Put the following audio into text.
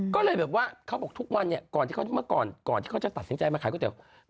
ก็เลยแบบว่าเขาบอกทุกวันเนี่ยก่อนที่เขาเมื่อก่อนก่อนที่เขาจะตัดสินใจมาขายก๋วยเตี๋ยว